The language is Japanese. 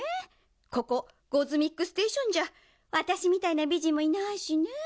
ここゴズミックステーションじゃわたしみたいなびじんもいないしね。